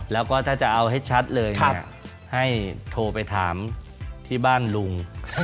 แล้วก็ถ้าจะเอาให้ชัดเลยเนี่ยให้โทรไปถามที่บ้านลุง